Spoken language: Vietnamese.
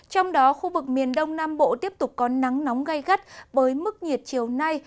trong đó khu vực miền đông nam bộ tiếp tục có nắng nóng gây gắt với mức nhiệt chiều nay